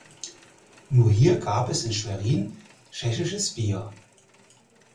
Nur hier gab es in Schwerin tschechisches Bier.